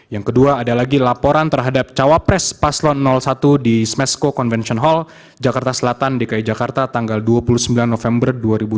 yang kedua ada lagi laporan terhadap cawapres paslon satu di smesco convention hall jakarta selatan dki jakarta tanggal dua puluh sembilan november dua ribu dua puluh